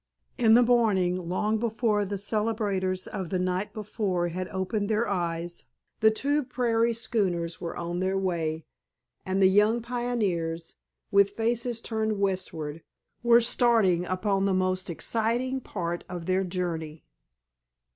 In the morning long before the celebrators of the night before had opened their eyes the two prairie schooners were on their way, and the young pioneers, with faces turned westward, were starting upon the most exciting part of their journey.